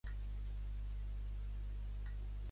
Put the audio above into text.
Per haver impulsat la ‘sobirania fiscal’, cent sis.